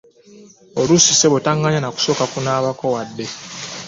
Oluusi ssebo nga taŋŋanya kusooka kunaabako wadde.